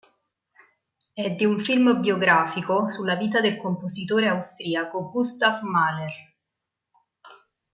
È di un film biografico sulla vita del compositore austriaco Gustav Mahler.